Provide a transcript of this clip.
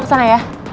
lo kesana ya